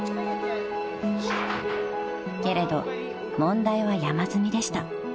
［けれど問題は山積みでした］